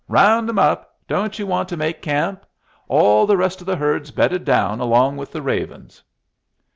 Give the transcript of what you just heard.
round 'em up! Don't you want to make camp? All the rest of the herd's bedded down along with the ravens."